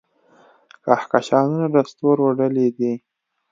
کهکشانونه د ستورو ډلې دي.